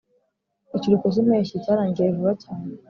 ikiruhuko cyimpeshyi cyarangiye vuba cyane.